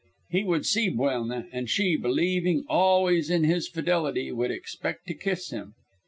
He would see Buelna, and she, believing always in his fidelity, would expect to kiss him.